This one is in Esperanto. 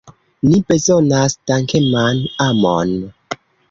Ni bezonas dankeman amon!